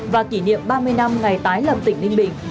và kỷ niệm ba mươi năm ngày tái lập tỉnh ninh bình